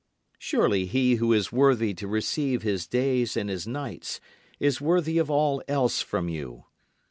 Surely he who is worthy to receive his days and his nights, is worthy of all else from you.